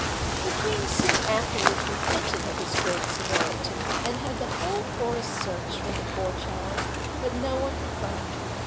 The King soon afterwards repented of his great severity, and had the whole forest searched for the poor child, but no one could find her.